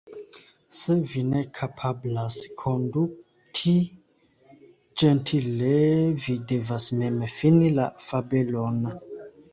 Se vi ne kapablas konduti ĝentile, vi devas mem fini la fabelon.